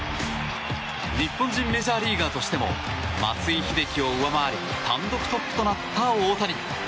日本人メジャーリーガーとしても松井秀喜を上回り単独トップとなった大谷。